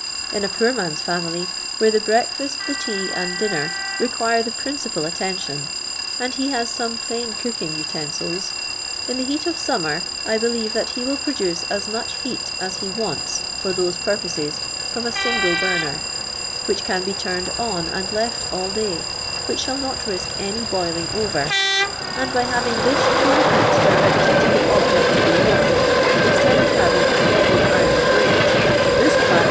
In a pnor man's family, wlfre th^^ breakfa^t. the tea aod dinner, require the principal attention, and he has sumo plain cooking utonftils. in the heat of »umnier I bolieve that he will produce as much heat as he wants for those purpo«ies from a single burner, which can be tuntod on and left ail day, which shall not ri:«k any boiliiig over, and by having this pure heat directed ti ilie objeit to be H'armeJ, instead of havini: a heavy iron grate, this plan wouhl.